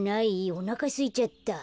おなかすいちゃった。